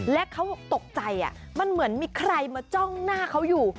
และเขาตกใจมันเหมือนมีใครมาจ้องหน้าเขาอยู่